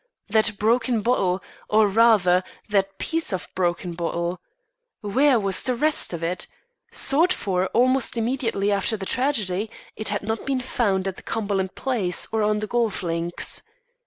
That broken bottle or rather, that piece of broken bottle! Where was the rest of it? Sought for almost immediately after the tragedy, it had not been found at the Cumberland place or on the golf links.